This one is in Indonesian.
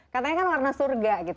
katanya kan warna surga gitu